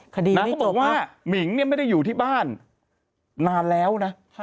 คดีไม่จบนะเขาบอกว่าหมิงเนี่ยไม่ได้อยู่ที่บ้านนานแล้วนะ